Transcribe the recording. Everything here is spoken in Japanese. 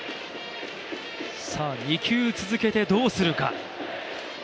２球続けてどうするか。